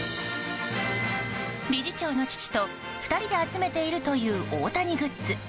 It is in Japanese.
理事長の父と２人で集めているという大谷グッズ。